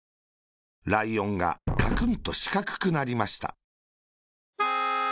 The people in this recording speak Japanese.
ライオンがカクンとしかくくなりました。